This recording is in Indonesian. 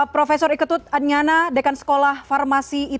prof iketut adnyana dekan sekolah farmasi indonesia